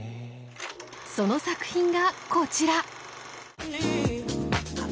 その作品がこちら。